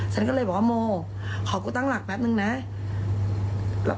ฉันก็เลยบอกว่าโมขอกูตั้งหลักแป๊บนึงนะ